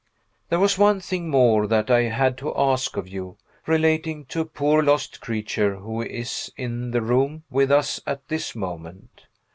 There was one thing more that I had to ask of you, relating to a poor lost creature who is in the room with us at this moment.